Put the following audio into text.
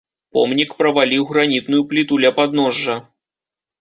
Помнік праваліў гранітную пліту ля падножжа.